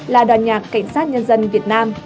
là đoàn nhạc cảnh sát nhân dân việt nam